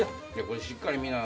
これしっかり見な。